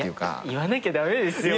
言わなきゃ駄目ですよ。